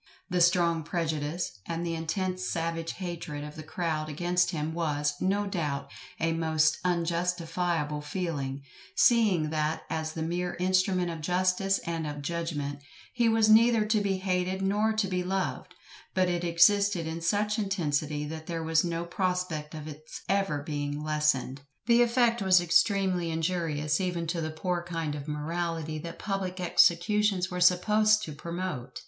The strong prejudice, and the intense savage hatred of the crowd against him was, no doubt, a most unjustifiable feeling, seeing that as the mere instrument of justice and of judgment, he was neither to be hated nor to be loved; but it existed in such intensity that there was no prospect of its ever being lessened. The effect was extremely injurious even to the poor kind of morality that public executions were supposed to promote.